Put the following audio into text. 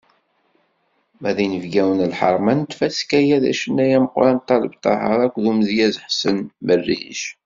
Ma d inebgawen n lḥerma n tfaska-a d acennay ameqqran Ṭaleb Ṭaher akked umedyaz Ḥsen Merric.